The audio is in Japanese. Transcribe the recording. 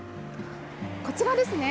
こちらですね。